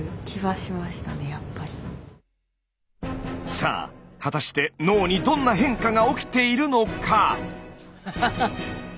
さあ果たして脳にどんな変化が起きているのか？